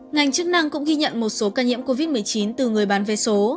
ngành chức năng cũng ghi nhận một số ca nhiễm covid một mươi chín từ người bán vé số